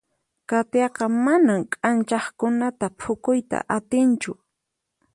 Katiaqa manan k'anchaqkunata phukuyta atinchu.